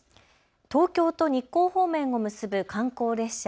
東京と日光方面を結ぶ観光列車。